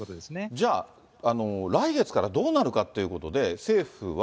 じゃあ、来月からどうなるかっていうことで、政府は。